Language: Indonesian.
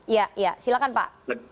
ya silakan pak